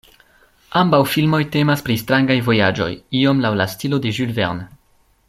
Ambaŭ filmoj temas pri strangaj vojaĝoj, iom laŭ la stilo de Jules Verne.